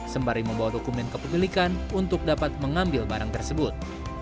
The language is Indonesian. sembari membawa dokumen kepemilikan untuk dapat mengambil barang tersebut